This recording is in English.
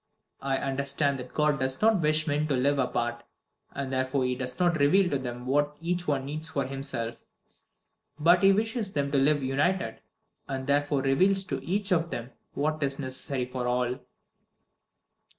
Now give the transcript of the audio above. "I understood that God does not wish men to live apart, and therefore he does not reveal to them what each one needs for himself; but he wishes them to live united, and therefore reveals to each of them what is necessary for all.